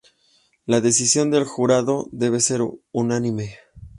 La decisión del jurado debe ser unánime.